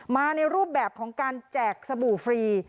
มาในรูปแบบของการแจกสบู่ฟรี